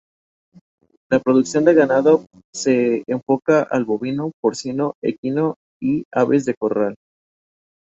La culebra de Esculapio italiana se alimenta de lagartos, mamíferos pequeños, y huevos.